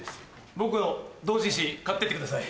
僕の同人誌買って行ってください。